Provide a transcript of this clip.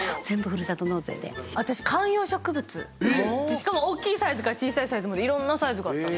しかも大きいサイズから小さいサイズまでいろんなサイズが。